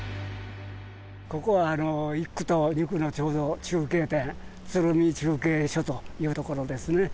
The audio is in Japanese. ここは１区と２区のちょうど中継点、鶴見中継所という所ですね。